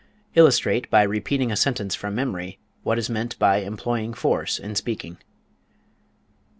Illustrate, by repeating a sentence from memory, what is meant by employing force in speaking.